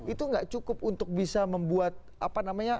itu nggak cukup untuk bisa membuat apa namanya